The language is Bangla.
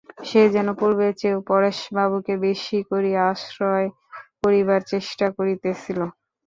সে যেন পূর্বের চেয়েও পরেশবাবুকে বেশি করিয়া আশ্রয় করিবার চেষ্টা করিতেছিল।